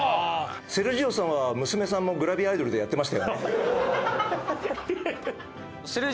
セルジオさんは娘さんもグラビアアイドルでやってましたよね。